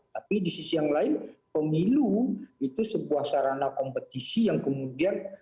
tapi di sisi yang lain pemilu itu sebuah sarana kompetisi yang kemudian